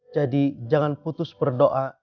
jadi jangan putus berdoa